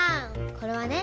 これはね